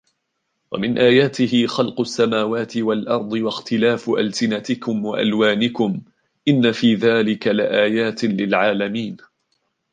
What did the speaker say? ومن آياته خلق السماوات والأرض واختلاف ألسنتكم وألوانكم إن في ذلك لآيات للعالمين